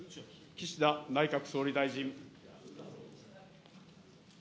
岸田内閣総理大臣。